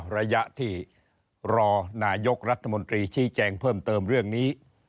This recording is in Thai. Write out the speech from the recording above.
ระยะที่รอนายกรัฐมนตรีชี้แจงเพิ่มเติมเรื่องนี้